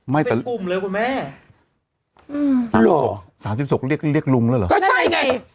ไม่เป็นกลุ่มเลยคุณแม่หรอ๓๖เรียกลุงแล้วหรอก็ใช่ไง